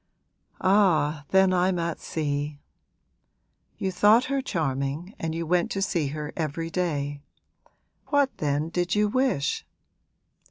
'Ah, then I'm at sea. You thought her charming and you went to see her every day. What then did you wish?'